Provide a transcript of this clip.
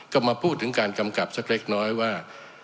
ก็มาพูดถึงการกำกับสักเล็กน้อยว่า